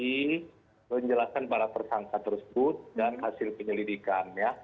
densus delapan puluh delapan menjelaskan para tersangka tersebut dan hasil penyelidikannya